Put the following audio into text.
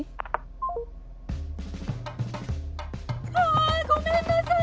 あ！ごめんなさい！